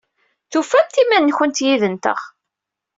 Tufamt iman-nkent yid-nteɣ?